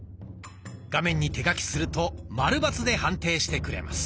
画面に手書きするとマルバツで判定してくれます。